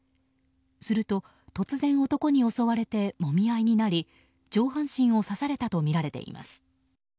すると突然、男に襲われてもみ合いになり上半身を刺されたとみられています。